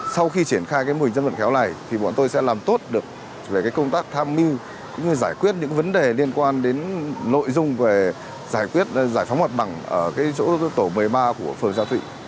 sau khi triển khai mùi dân vận khéo này bọn tôi sẽ làm tốt được về công tác tham mưu giải quyết những vấn đề liên quan đến nội dung về giải phóng mặt bằng ở chỗ tổ một mươi ba của phường gia thụy